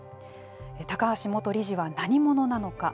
高橋元理事は何者なのか。